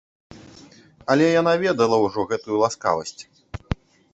Але яна ведала ўжо гэтую ласкавасць.